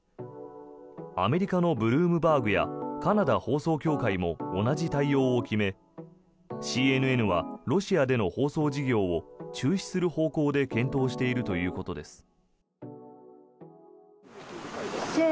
アメリカのブルームバーグやカナダ放送協会も同じ対応を決めＣＮＮはロシアでの放送事業を中止する方向で検討しているということです。